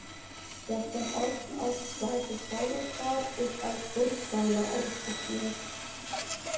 Das von Osten aus zweite Pfeilerpaar ist als Rundpfeiler ausgeführt.